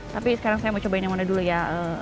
tapi sekarang saya mau cobain yang mana dulu ya